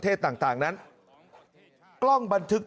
คุณสิริกัญญาบอกว่า๖๔เสียง